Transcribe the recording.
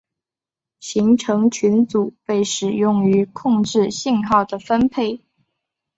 行程群组被使用于控制信号的分配。